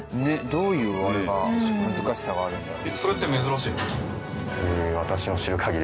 どういうあれが難しさがあるんだろう。